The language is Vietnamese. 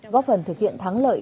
góp phần thực hiện thắng lợi